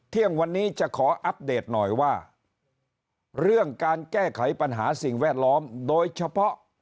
เที่ยงวันนี้จะขออัปเดตหน่อยว่าเรื่องการแก้ไขปัญหาสิ่งแวดล้อมโดยเฉพาะ